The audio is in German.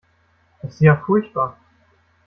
Das ist ja furchtbar.